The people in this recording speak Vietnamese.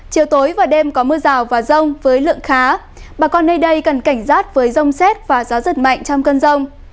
chiều tối và đêm có mưa rào và rông với lượng khá bà con nơi đây cần cảnh giác với rông xét và gió giật mạnh trong cơn rông